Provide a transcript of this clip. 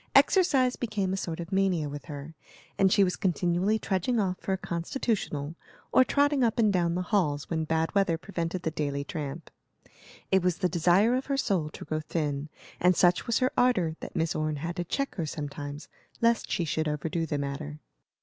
Exercise became a sort of mania with her, and she was continually trudging off for a constitutional, or trotting up and down the halls when bad weather prevented the daily tramp. It was the desire of her soul to grow thin, and such was her ardor that Miss Orne had to check her sometimes, lest she should overdo the matter.